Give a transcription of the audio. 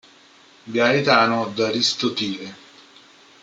Gaetano D'Aristotile.